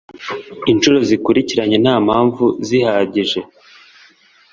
inshuro zikurikiranye nt ampamvu zihagije